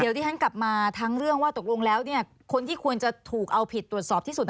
เดี๋ยวที่ฉันกลับมาทั้งเรื่องว่าตกลงแล้วคนที่ควรจะถูกเอาผิดตรวจสอบที่สุด